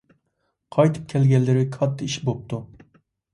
قايتىپ كەلگەنلىرى كاتتا ئىش بوپتۇ.